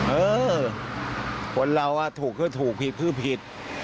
เออคนเราถูกคือถูกผิดคือผิด